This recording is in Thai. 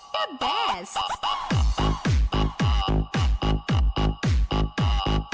เห็นแล้วอยากเต้นตามเลยจ๊ะ